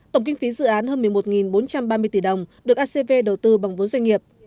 tổng kinh phí dự án hơn một mươi một bốn trăm ba mươi tỷ đồng được acv đầu tư bằng vốn doanh nghiệp